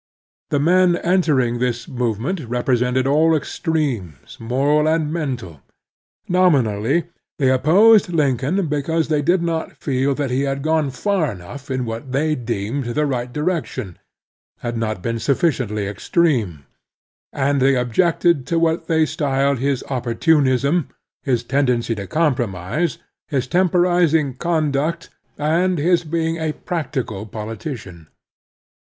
The men entering this movement represented all extremes, moral and mental. Nominally they opposed Lincoln because they did not feel that he had gone far enough in what they deemed the right direc tion, — ^had not been sufficiently extreme, — and they objected to what they styled his opportxm ism, his tendency to compromise, his temporizing conduct, and his being a practical politician.